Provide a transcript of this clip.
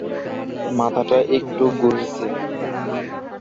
মাথাটা একটু ঘুরছে।